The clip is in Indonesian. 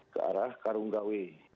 ke arah karunggawi